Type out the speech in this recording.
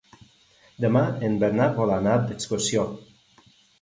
Demà en Bernat vol anar d'excursió.